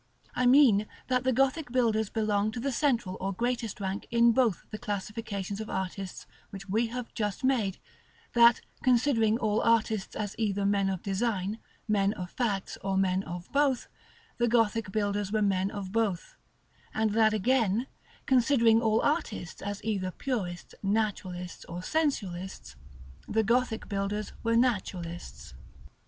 I mean that the Gothic builders belong to the central or greatest rank in both the classifications of artists which we have just made; that, considering all artists as either men of design, men of facts, or men of both, the Gothic builders were men of both; and that again, considering all artists as either Purists, Naturalists, or Sensualists, the Gothic builders were Naturalists.